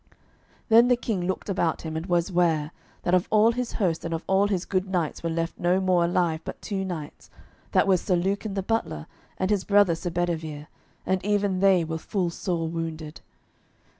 Then the King looked about him, and was ware, that of all his host and of all his good knights were left no more alive but two knights, that was Sir Lucan the butler, and his brother Sir Bedivere, and even they were full sore wounded.